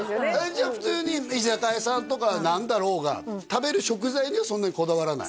じゃあ普通に居酒屋さんとか何だろうが食べる食材にはそんなにこだわらない？